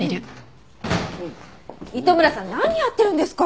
糸村さん何やってるんですか！？